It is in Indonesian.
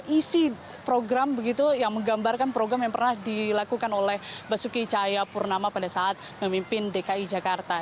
isi program begitu yang menggambarkan program yang pernah dilakukan oleh basuki cahaya purnama pada saat memimpin dki jakarta